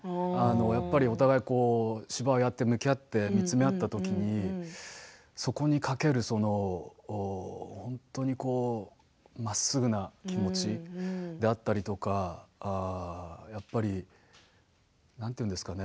やっぱりお互い芝居をやって向き合って見つめ合ったときにそこにかけるその本当にまっすぐな気持ちであったりとかやっぱりなんて言うんですかね